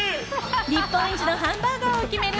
日本一のハンバーガーを決める